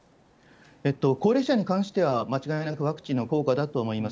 高齢者に関しては、間違いなくワクチンの効果だと思います。